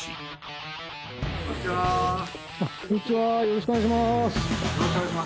よろしくお願いします。